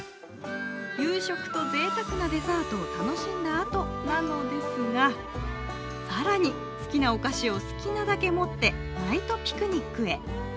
夕食と贅沢なデザートを楽しんだあとなのですが、更に好きなお菓子を好きなだけ持ってナイトピクニックへ。